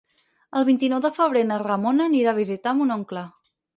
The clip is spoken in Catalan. El vint-i-nou de febrer na Ramona anirà a visitar mon oncle.